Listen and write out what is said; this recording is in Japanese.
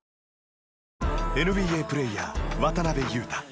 ＮＢＡプレーヤー渡邊雄太。